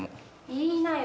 言いなよ。